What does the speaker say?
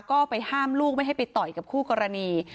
ก็ไปห้ามลูกไม่ให้ไปต่อยกับคู่กรณี